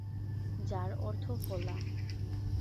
যার অর্থ ফোলা।